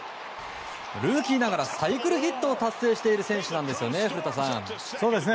ルーキーながらサイクルヒットを達成している選手ですよね、古田さん。